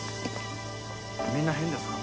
みんな変ですからね。